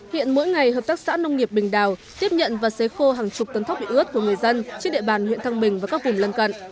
hiện mỗi ngày hợp tác xã nông nghiệp bình đào tiếp nhận và xấy khô hàng chục tấn thóc bị ướt của người dân trên địa bàn huyện thăng bình và các vùng lân cận